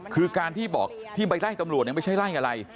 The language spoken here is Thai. คือการที่ไปไล่ตำรวจยังไม่ใช่ไล่อะไร